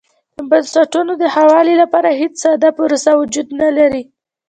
د بنسټونو د ښه والي لپاره هېڅ ساده پروسه وجود نه لري.